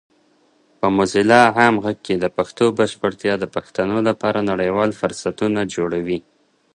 په موزیلا عام غږ کې د پښتو بشپړتیا د پښتنو لپاره نړیوال فرصتونه جوړوي.